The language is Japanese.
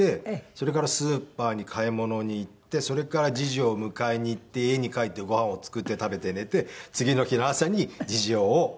それからスーパーに買い物に行ってそれから次女を迎えにいって家に帰ってご飯を作って食べて寝て次の日の朝に次女を学校に送っていくという。